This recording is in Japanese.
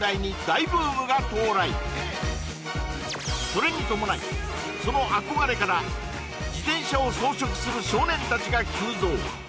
それに伴いその憧れから自転車を装飾する少年たちが急増！